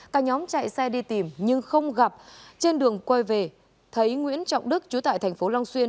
các nhóm chạy xe đi tìm nhưng không gặp trên đường quay về thấy nguyễn trọng đức chú tại tp long xuyên